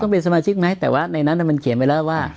เป็นสมาชิกไหมแต่ว่าในนั้นมันเขียนไว้แล้วว่า